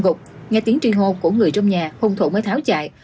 anh gục nghe tiếng tri hô của người trong nhà hung thủ mới tháo chạy